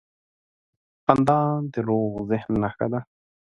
• خندا د روغ ذهن نښه ده.